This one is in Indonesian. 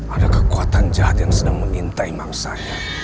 ada kekuatan jahat yang sedang mengintai mangsanya